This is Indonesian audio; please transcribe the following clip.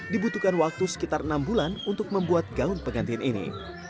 dibutuhkan waktu sekitar enam bulan untuk membuat gaun pengantin ini